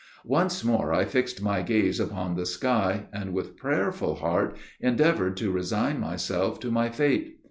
Once more I fixed my gaze upon the sky, and, with prayerful heart, endeavored to resign myself to my fate.